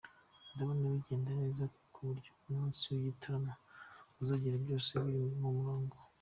Ndabona bigenda neza ku buryo umunsi w’igitaramo uzagera byose biri ku murongo.